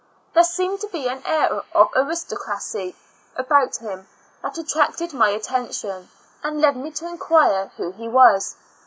There seemed to be an air of aristocracy about him that attracted my attention, and led me to inquire who he was.